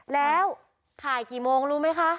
แล้วถ่ายกี่โมงรู้ไหมคะ